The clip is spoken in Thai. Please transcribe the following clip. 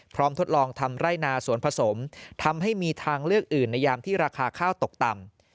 ทดลองทำไร่นาสวนผสมทำให้มีทางเลือกอื่นในยามที่ราคาข้าวตกต่ำ